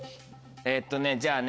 えっとねじゃあね